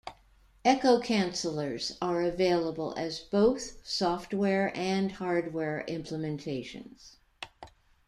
Echo cancelers are available as both software and hardware implementations.